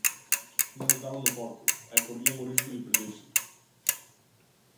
Non estaban no foco, e corrían o risco de perderse.